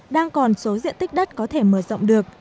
đang còn số diện tích đất có thể mở rộng được